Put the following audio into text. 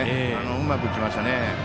うまく打ちましたね。